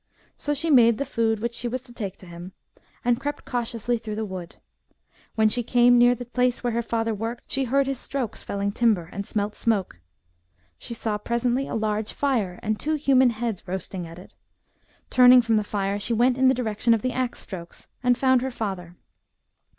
So she made the food which she was to take him, and crept cautiously through the wood. When she came near the place where her father worked, she heard his strokes felling timber, and smelt smoke. She saw 126 THE BOOK OF WERE WOLVES. presently a large fire and two human heads roasting at it. Turning from the fire, she went in the direction of the axe strokes, and found her father.